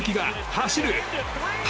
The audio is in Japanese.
走る！